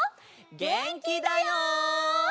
げんきだよ！